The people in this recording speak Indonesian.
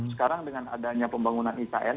sekarang dengan adanya pembangunan ikn